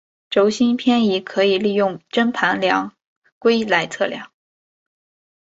轴心偏移可以利用针盘量规来量测。